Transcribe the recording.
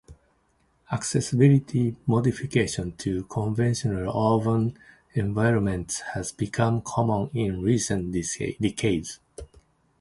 Accessibility modifications to conventional urban environments has become common in recent decades.